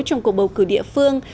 trong cuộc bầu cử địa phương